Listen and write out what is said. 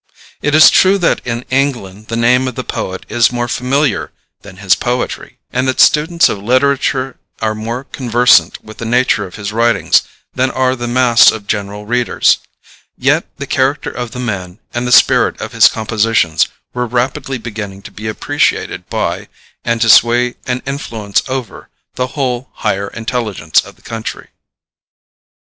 It is true that in England the name of the poet is more familiar than his poetry, and that students of literature are more conversant with the nature of his writings than are the mass of general readers; yet the character of the man and the spirit of his compositions were rapidly beginning to be appreciated by, and to sway an influence over, the whole higher intelligence of the country.